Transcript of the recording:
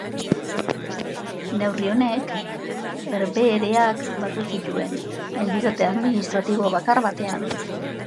Neurri honek Herbehereak batu zituen entitate administratibo bakar batean.